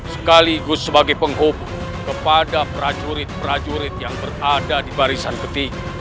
sekaligus sebagai penghubung kepada prajurit prajurit yang berada di barisan peti